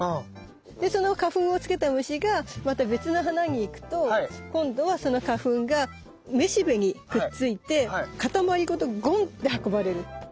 でその花粉をつけた虫がまた別の花に行くと今度はその花粉がめしべにくっついてかたまりごとゴンって運ばれる。